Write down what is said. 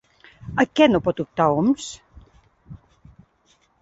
A què no pot optar Homs?